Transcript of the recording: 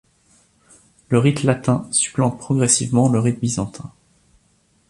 Le rite latin supplante progressivement le rite byzantin.